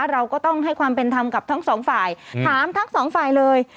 เราก็ต้องให้ความเป็นธรรมกับทั้งสองฝ่ายถามทั้งสองฝ่ายเลย